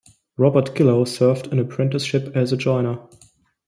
Robert Gillow served an apprenticeship as a joiner.